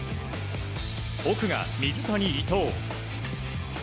奥が水谷・伊藤。